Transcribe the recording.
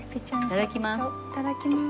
いただきます。